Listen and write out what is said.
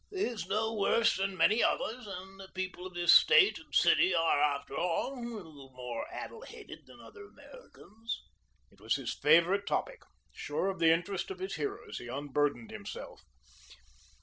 "He's no worse than many others, and the people of this State and city are, after all, only a little more addle headed than other Americans." It was his favourite topic. Sure of the interest of his hearers, he unburdened himself.